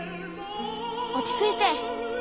落ち着いて。